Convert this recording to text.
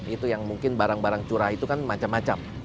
itu yang mungkin barang barang curah itu kan macam macam